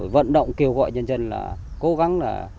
vận động kêu gọi dân dân là cố gắng